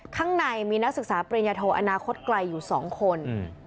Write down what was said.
ข้างในมีนักศึกษาปริญญาโทอนาคตไกลอยู่๒คน